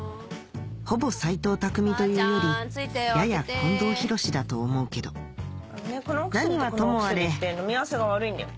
ほぼ斎藤工というよりやや近藤寛だと思うけど何はともあれ飲み合わせが悪いんだよ。